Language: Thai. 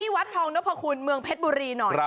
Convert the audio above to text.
วัดทองนพคุณเมืองเพชรบุรีหน่อย